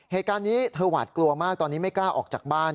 เหตุการณ์นี้เธอหวาดกลัวมากตอนนี้ไม่กล้าออกจากบ้าน